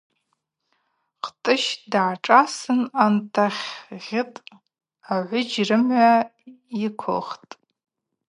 Кӏтӏыщ дгӏашӏасын антахьгьыт Агӏвыджь рымгӏва йыквылхтӏ.